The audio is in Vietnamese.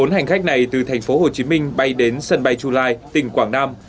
bốn mươi bốn hành khách này từ thành phố hồ chí minh bay đến sân bay chù lai tỉnh quảng nam